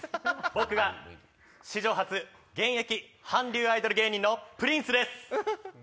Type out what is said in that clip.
僕は史上初現役韓流アイドル芸人のプリンスです。